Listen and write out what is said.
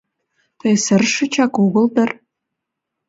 — Тый сырышычак огыл дыр?